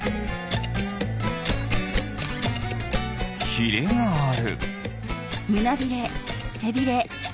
ひれがある。